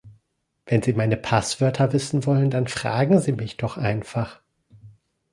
Wenn Sie meine Passwörter wissen wollen, dann fragen Sie mich doch einfach!